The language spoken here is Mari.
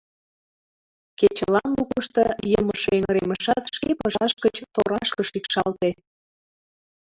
Кечылан лукышто йымыше эҥыремышат шке пыжашыж гыч торашке шикшалте.